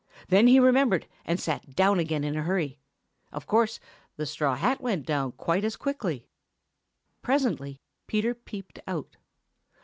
Then he remembered and sat down again in a hurry. Of course, the straw hat went down quite as quickly. Presently Peter peeped out.